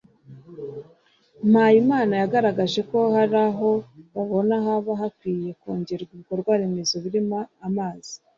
Mpayimana yagaragaje ko hari aho babona haba hakwiye kongerwa ibikorwaremezo birimo amazi